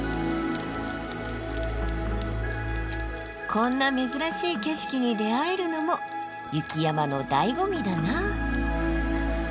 こんな珍しい景色に出会えるのも雪山のだいご味だな。